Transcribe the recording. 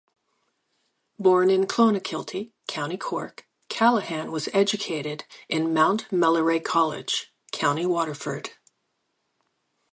Born in Clonakilty, County Cork, Callanan was educated in Mount Melleray College, County Waterford.